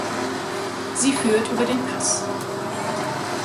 Sie führt über den Pass.